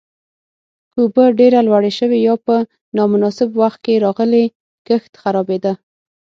که اوبه ډېره لوړې شوې یا په نامناسب وخت کې راغلې، کښت خرابېده.